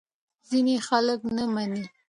ځینې خلک نه مني.